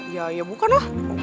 ya ya bukan lo